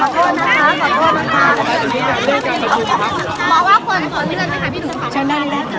ขอโทษนะคะค่ะ